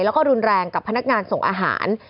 แล้วก็รุนแรงกับพนักงานส่งอาหาร